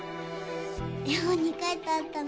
絵本に書いてあったの。